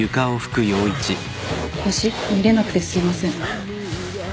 星見れなくてすいません。